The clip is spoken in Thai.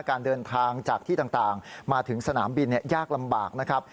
การเดินทางจากที่ต่างมาถึงสนามบินยากลำบากนะครับ